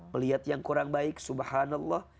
melihat yang kurang baik subhanallah